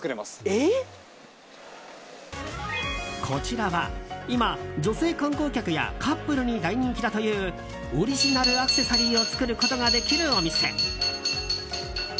こちらは今、女性観光客やカップルに大人気だというオリジナルアクセサリーを作ることができるお店。